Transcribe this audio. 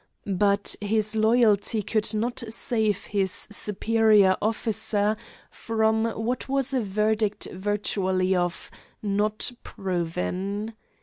But his loyalty could not save his superior officer from what was a verdict virtually of "not proven."